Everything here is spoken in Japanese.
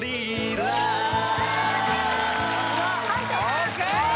ＯＫ！